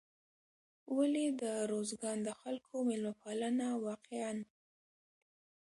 ولې د روزګان د خلکو میلمه پالنه واقعا